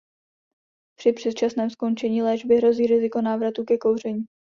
Při předčasném skončení léčby hrozí riziko návratu ke kouření.